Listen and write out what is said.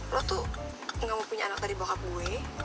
lo tuh gak mau punya anak dari bokap gue